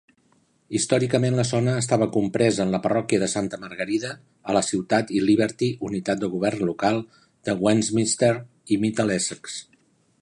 Històricament la zona estava compresa en la parròquia de Santa Margarida, a la ciutat i Liberty (unitat de govern local) de Westminster, Middlesex.